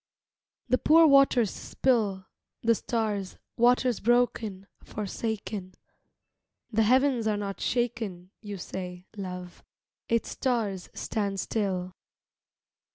The poor waters spill The stars, waters broken, forsaken. The heavens are not shaken, you say, love, Its stars stand still.